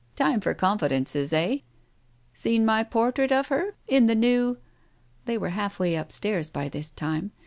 Time for confidences, eh ? Seen my por trait of her ? In the New " They were half way upstairs by this time.